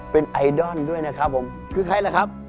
เป็นไอดอลด้วยนะครับผมคือใครล่ะครับ